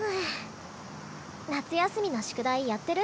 夏休みの宿題やってる？